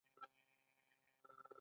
ډیره ښه ده درسونه مو هره ورځ تکرار کړئ